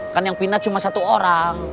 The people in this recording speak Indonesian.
kan yang pindah cuma satu orang